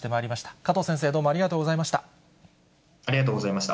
加藤先生、どうもありがとうございました。